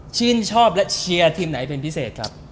ชื่นชอบและเชียร์ทีมไหนเป็นพิเศษครับ